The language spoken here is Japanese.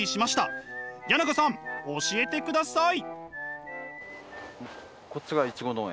谷中さん教えてください！